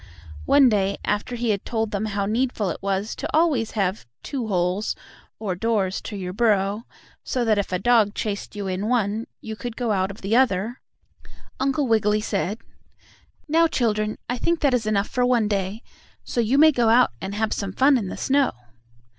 One day, after he had told them how needful it was to always have two holes, or doors, to your burrow, so that if a dog chased you in one, you could go out of the other, Uncle Wiggily said: "Now, children, I think that is enough for one day, so you may go out and have some fun in the snow."